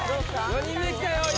４人目きたよ